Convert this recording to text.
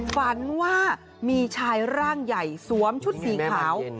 ฝันว่ามีชายร่างใหญ่สวมชุดสีขาว